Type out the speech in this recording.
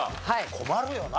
困るよな。